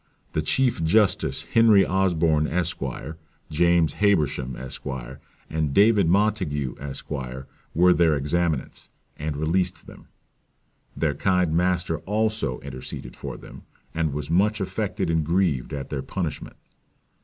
"The chief justice Henry Osborne, Esq.; James Habersham, Esq.; and David Montague, Esq.; were their examinants, and released them. Their kind master also interceded for them; and was much affected and grieved at their punishment."